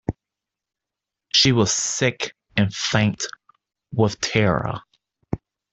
She was sick and faint with terror.